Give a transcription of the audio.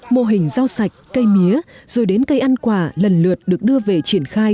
mô hình rau sạch cây mía rồi đến cây ăn quả lần lượt được đưa về triển khai